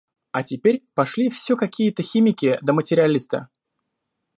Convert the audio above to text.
А теперь пошли все какие-то химики да материалисты.